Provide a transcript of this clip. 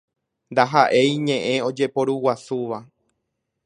Ndaha'éi ñe'ẽ ojeporuguasúva.